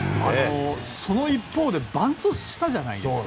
その一方でバントしたじゃないですか。